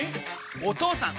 お義父さん！